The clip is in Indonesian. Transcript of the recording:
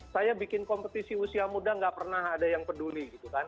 saya bikin kompetisi usia muda tidak pernah ada yang peduli